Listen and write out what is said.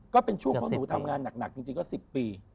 ก็เป็นะช่วงปีอุ่นผมทำงานหนักก็จริง๑๐ปี